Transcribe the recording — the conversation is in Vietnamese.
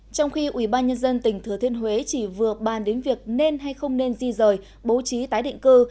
trong khi ubnd tỉnh thừa thiên huế chỉ vừa bàn đến việc nên hay không nên di rời bố trí tái định cư